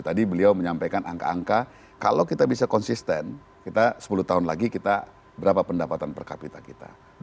tadi beliau menyampaikan angka angka kalau kita bisa konsisten kita sepuluh tahun lagi kita berapa pendapatan per kapita kita